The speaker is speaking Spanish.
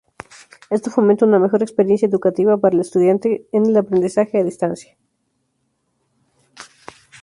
Esto fomenta una mejor experiencia educativa para el estudiante en el aprendizaje a distancia.